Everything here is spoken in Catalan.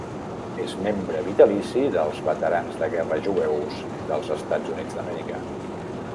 És membre vitalici dels Veterans de Guerra Jueus dels EUA.